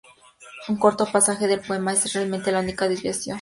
Un corto pasaje del poema es realmente la única desviación importante de la letra.